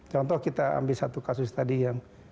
contoh kita ambil satu kasus tadi yang